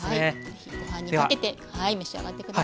是非ご飯にかけて召し上がって下さい。